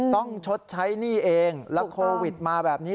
ชดใช้หนี้เองแล้วโควิดมาแบบนี้